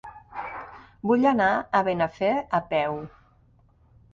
Vull anar a Benafer a peu.